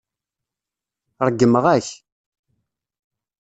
Ṛeggmeɣ-ak.